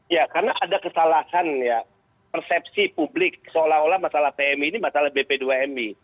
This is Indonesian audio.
ya karena ada kesalahan ya persepsi publik seolah olah masalah pmi ini masalah bp dua mi